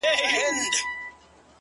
پسله كلونه چي جانان تـه ورځـي-